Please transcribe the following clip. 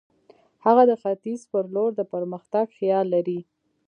هغه د ختیځ پر لور د پرمختګ خیال لري.